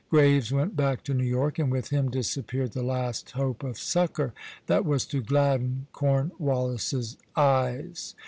Graves went back to New York, and with him disappeared the last hope of succor that was to gladden Cornwallis's eyes.